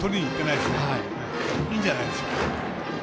いいんじゃないですか。